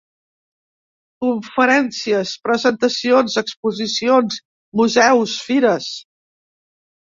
Conferències presentacions exposicions museus fires.